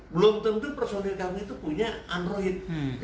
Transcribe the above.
belum tentu personil kami itu punya android